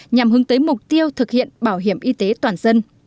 nhằm hướng tới mục tiêu thực hiện bảo hiểm y tế toàn dân